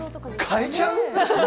変えちゃう？